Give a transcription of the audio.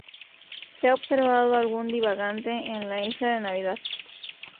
Se ha observado algún divagante en la isla de Navidad.